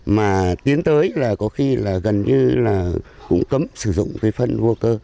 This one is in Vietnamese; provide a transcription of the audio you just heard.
mà tiến tới là có khi là gần như là cũng cấm sử dụng cái phân vô cơ